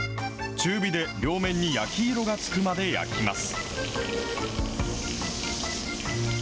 中火で両面に焼き色がつくまで焼きます。